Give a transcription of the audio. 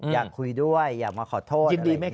อยากคุยด้วยอยากมาขอโทษ